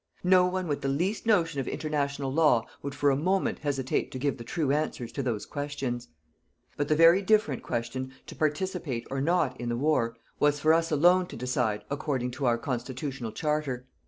No one with the least notion of International Law would for a moment hesitate to give the true answers to those questions. But the very different question to participate, or not, in the war, was for us alone to decide according to our constitutional charter.